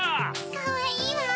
かわいいわ！